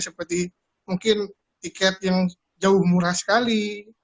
seperti mungkin tiket yang jauh murah sekali